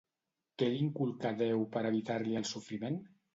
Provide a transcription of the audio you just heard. Què li inculcà Déu per evitar-li el sofriment?